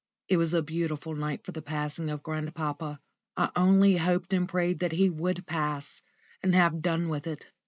It was a beautiful night for the passing of grandpapa. I only hoped and prayed that he would pass, and have done with it.